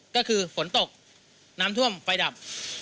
ก็คือฝนตกน้ำท่วมไฟดับ